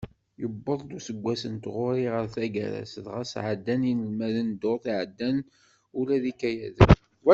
Yewweḍ-d useggas n tɣuri ɣer taggara-s, dɣa sεeddan yinelmaden ddurt iεeddan ula d ikayaden.